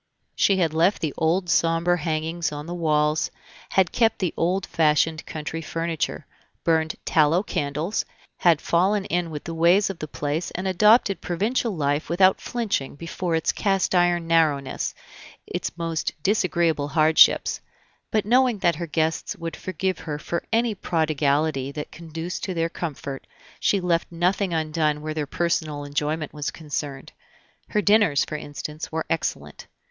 She had left the old somber hangings on the walls, had kept the old fashioned country furniture, burned tallow candles, had fallen in with the ways of the place and adopted provincial life without flinching before its cast iron narrowness, its most disagreeable hardships; but knowing that her guests would forgive her for any prodigality that conduced to their comfort, she left nothing undone where their personal enjoyment was concerned; her dinners, for instance, were excellent.